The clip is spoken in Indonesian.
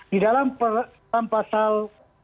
di dalam pasal